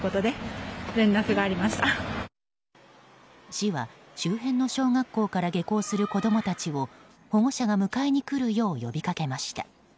市は周辺の小学校から下校する子供たちを保護者が迎えに来るよう呼びかけました。